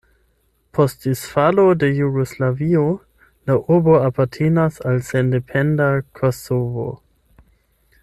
Post disfalo de Jugoslavio la urbo apartenas al sendependa Kosovo.